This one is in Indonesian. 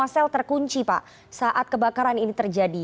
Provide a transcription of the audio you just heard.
sel terkunci pak saat kebakaran ini terjadi